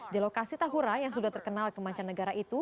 di lokasi tahura yang sudah terkenal kemancanegara itu